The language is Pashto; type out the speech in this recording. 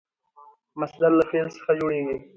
مصدر له فعل څخه جوړیږي.